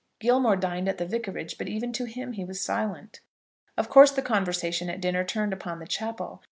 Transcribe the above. Gilmore dined at the vicarage; but even to him he was silent. Of course the conversation at dinner turned upon the chapel.